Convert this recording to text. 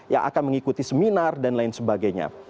yang akan mengikuti seminar dan lain sebagainya